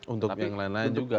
untuk yang lain lain juga